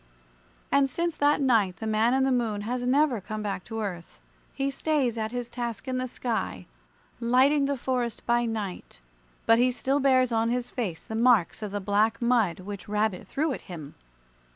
And since that night the Man in the Moon has never come back to earth. He stays at his task in the sky, lighting the forest by night; but he still bears on his face the marks of the black mud which Rabbit threw at him.